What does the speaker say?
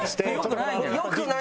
良くないね。